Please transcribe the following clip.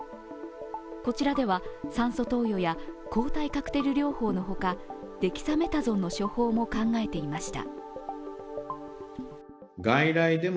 こちらでは酸素投与や抗体カクテル療法の他、デキサメタゾンの処方も考えていました。